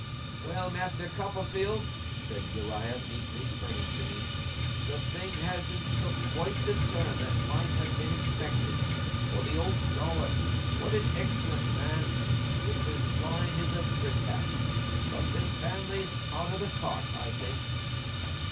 'Well, Master Copperfield!' said Uriah, meekly turning to me. 'The thing hasn't took quite the turn that might have been expected, for the old Scholar what an excellent man! is as blind as a brickbat; but this family's out of the cart, I think!